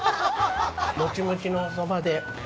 もちもちのおそばで。